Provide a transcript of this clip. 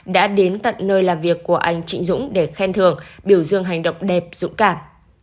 đã đến tận nơi làm việc của anh trịnh dũng để khen thưởng biểu dương hành động đẹp dũng cảm